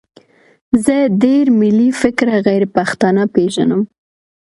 زه ډېر ملي فکره غیرپښتانه پېژنم.